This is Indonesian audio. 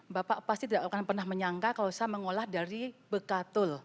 bapak pasti tidak akan pernah menyangka kalau saya mengolah dari bekatul